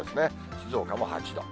静岡も８度。